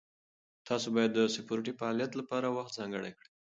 تاسو باید د سپورټي فعالیتونو لپاره وخت ځانګړی کړئ.